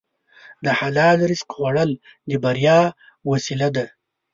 د حلال رزق خوړل د بریا وسیله ده.